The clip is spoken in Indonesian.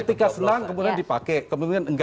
ketika senang kemudian dipakai kemudian enggak